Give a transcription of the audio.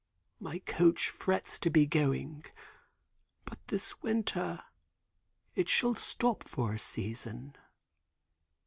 "My coach frets to be going. But this winter it shall stop for a season."